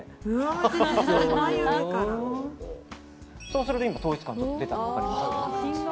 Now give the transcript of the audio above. そうすると統一感出たのわかります？